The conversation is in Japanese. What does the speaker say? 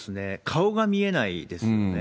顔が見えないですよね。